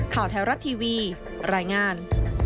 ข่าวไทยรัฐทีวีรายงาน